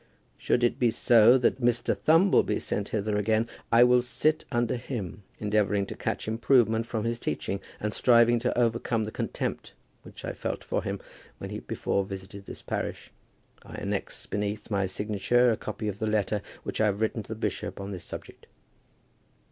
Should it be so that Mr. Thumble be sent hither again, I will sit under him, endeavouring to catch improvement from his teaching, and striving to overcome the contempt which I felt for him when he before visited this parish. I annex beneath my signature a copy of the letter which I have written to the bishop on this subject.